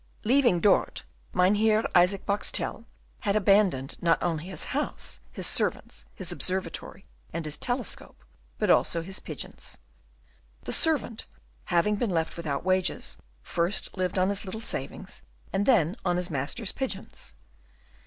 Leaving Dort, Mynheer Isaac Boxtel had abandoned, not only his house, his servants, his observatory, and his telescope, but also his pigeons. The servant, having been left without wages, first lived on his little savings, and then on his master's pigeons.